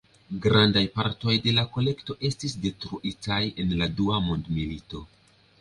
Grandaj partoj de la kolekto estis detruitaj en la dua mondmilito.